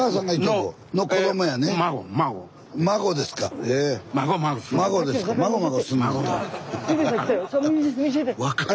孫ですか。